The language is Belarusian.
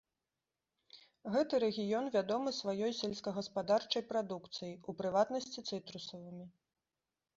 Гэты рэгіён вядомы сваёй сельскагаспадарчай прадукцыяй, у прыватнасці цытрусавымі.